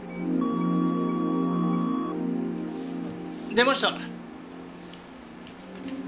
出ました。